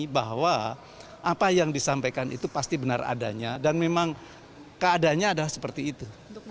bahwa apa yang disampaikan itu pasti benar adanya dan memang keadaannya adalah seperti itu